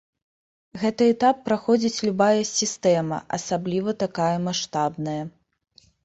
Гэты этап праходзіць любая сістэма, асабліва такая маштабная.